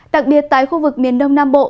đặc biệt tại khu vực miền đông nam bộ